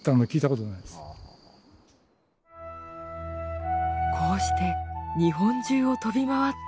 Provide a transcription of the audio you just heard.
こうして日本中を飛び回った富太郎。